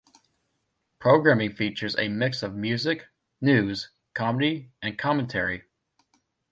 Programming features a mix of music, news, comedy and commentary.